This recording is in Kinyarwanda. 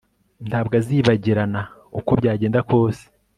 Ntabwo azibagirana uko byagenda kose